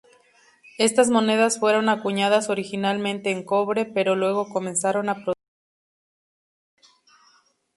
Estas monedas fueron acuñadas originalmente en cobre, pero luego comenzaron a producirse en plata.